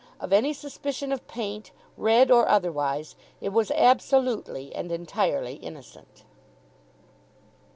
Of any suspicion of paint, red or otherwise, it was absolutely and entirely innocent.